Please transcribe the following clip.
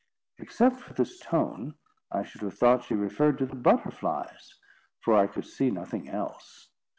Except for this tone, I should have thought she referred to the butterflies, for I could see nothing else.